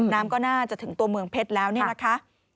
น้ำก็น่าจะถึงตัวเมืองเพชรแล้วนี่นะคะ